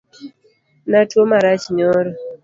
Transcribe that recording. Natuo marach nyoro.